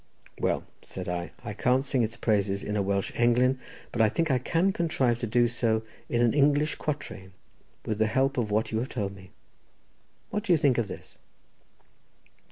"Well," said I, "I can't sing its praises in a Welsh englyn, but I think I can contrive to do so in an English quatrain, with the help of what you have told me. What do you think of this?